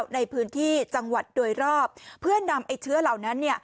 ในพื้นที่จังหวัดโดยรอบเพื่อนำไอ้เชื้อเหล่านั้น